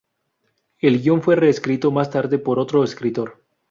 El guion fue reescrito más tarde por otro escritor.